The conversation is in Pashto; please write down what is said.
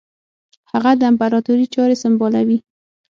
هغه د امپراطوري چاري سمبالوي.